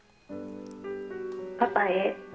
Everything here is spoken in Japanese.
パパへ。